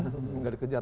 apalagi tidak ditahan